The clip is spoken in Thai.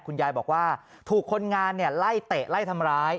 คุณยายบอกว่าถูกคนงานไล่เตะไล่ทำร้าย